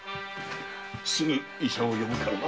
すぐ医者を呼ぶからな。